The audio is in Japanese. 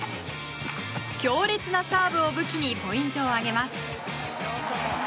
強烈なサーブを武器にポイントを挙げます。